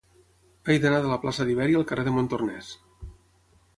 He d'anar de la plaça d'Ibèria al carrer de Montornès.